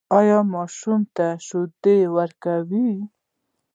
ایا ماشوم ته شیدې ورکوئ؟